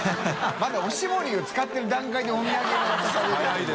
泙おしぼりを使ってる段階でお土産を渡される。